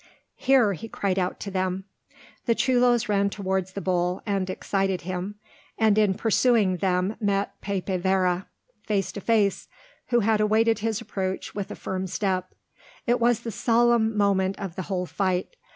"Here!" he cried out to them. The chulos ran towards the bull and excited him, and in pursuing them met Pepe Vera, face to face, who had awaited his approach with a firm step. It was the solemn moment of the whole fight.